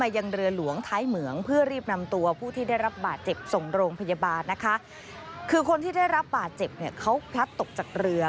หรือว่าผู้ที่ได้รับบาดเจ็บส่งโรงพยาบาลคือคนที่ได้รับบาดเจ็บเขาพลัดตกจากเรือ